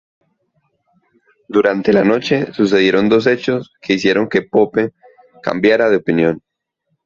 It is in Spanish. Durante la noche sucedieron dos hechos que hicieron que Pope cambiara de opinión.